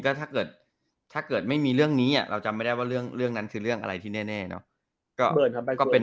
เดี๋ยวถ้าเกิดถ้าเกิดไม่มีเรื่องนี้เราจำไม่ได้ว่าเรื่องเรื่องนั้นคือเรื่องอะไรที่แน่โน้ทก็เป็น